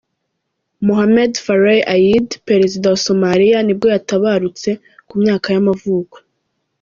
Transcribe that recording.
Mohamed Farray Aidid, perezida wa wa Somalia nibwo yatabarutse, ku myaka y’amavuko.